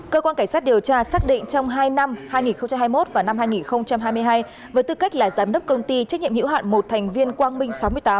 cơ quan cảnh sát điều tra xác định trong hai năm hai nghìn hai mươi một và năm hai nghìn hai mươi hai với tư cách là giám đốc công ty trách nhiệm hữu hạn một thành viên quang minh sáu mươi tám